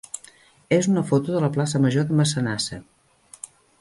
és una foto de la plaça major de Massanassa.